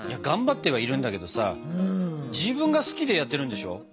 がんばってはいるんだけどさ自分が好きでやってるんでしょ。